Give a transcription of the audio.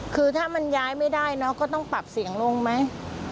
คือถ้ามันย้ายไม่ได้เนาะก็ต้องปรับเสียงลงไหม